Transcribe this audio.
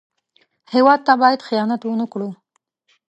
هېواد ته باید خیانت ونه کړو